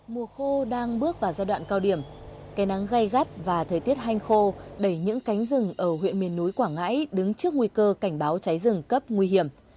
mùa khô đang bước vào giai đoạn cao điểm cây nắng gai gắt và thời tiết hanh khô đẩy những cánh rừng ở huyện miền núi quảng ngãi đứng trước nguy cơ cảnh báo cháy rừng cấp nguy hiểm